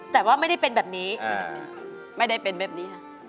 แต่ว่าไม่ได้เป็นแบบนี้ไม่ได้เป็นแบบนี้ค่ะ